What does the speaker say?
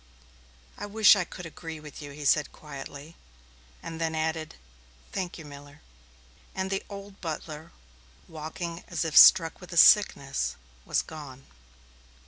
"I wish I could agree with you," he said quietly, and then added, "Thank you, Miller." And the old butler, walking as if struck with a sickness, was gone.